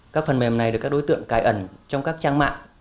các phần mềm này được các đối tượng cài ẩn trong các trang mạng